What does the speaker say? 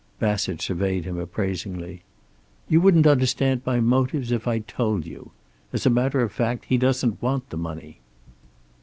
Bassett surveyed him appraisingly. "You wouldn't understand my motives if I told you. As a matter of fact, he doesn't want the money."